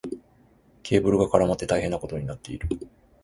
ケーブルが絡まって大変なことになっている。